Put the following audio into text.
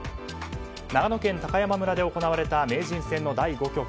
長野県高山村で行われた名人戦の第５局。